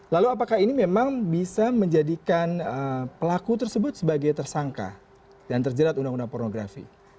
lalu apakah ini memang bisa menjadikan pelaku tersebut sebagai tersangka dan terjerat undang undang pornografi